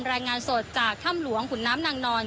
รายงานสดจากถ้ำหลวงขุนน้ำนางนอน